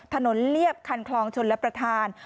ถนนเลียบคันคลองชนและประทาน